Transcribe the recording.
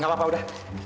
gak apa apa udah